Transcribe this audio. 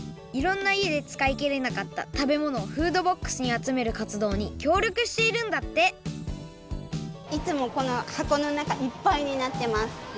いろんないえでつかいきれなかった食べ物をフードボックスにあつめるかつどうにきょうりょくしているんだっていつもこのはこのなかいっぱいになってます。